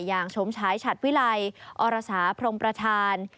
อย่างชมฉายฉัดวิไลอรสาพรมประธาน